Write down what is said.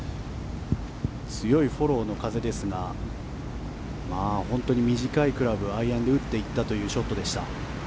強いフォローの風ですが本当に短いクラブアイアンで打っていたというショットでした。